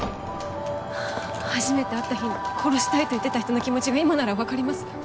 はぁ初めて会った日に殺したいと言ってた人の気持ちが今ならわかります。